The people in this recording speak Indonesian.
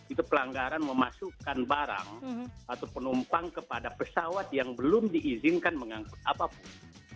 itu pelanggaran memasukkan barang atau penumpang kepada pesawat yang belum diizinkan mengangkut apapun